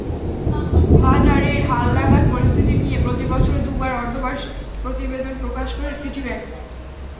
বাজারের হালনাগাদ পরিস্থিতি নিয়ে প্রতিবছরে দুবার অর্ধবার্ষিক প্রতিবেদন প্রকাশ করে সিটিব্যাংক।